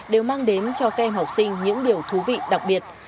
đều mang đến cho các em học sinh những điều thú vị đặc biệt